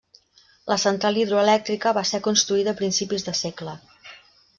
La central hidroelèctrica va ser construïda a principis de segle.